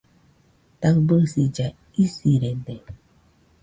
Taɨbisilla isirede